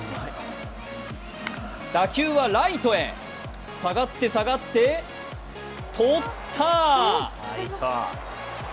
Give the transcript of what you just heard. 打球はライトへ、下がって下がってとった。